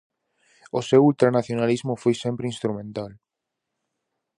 O seu ultranacionalismo foi sempre instrumental.